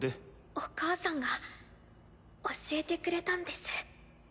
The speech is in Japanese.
お母さんが教えてくれたんです。